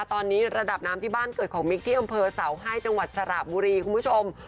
ตอนนี้ระดับน้ำที่บ้านเกิดของมิกที่อำเภอเสาให้จังหวัดสระบุรีคุณผู้ชม